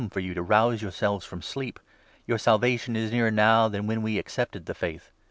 1 for yOu to rouse yourselves from sleep; our Salvation is nearer now than when we accepted the Faith.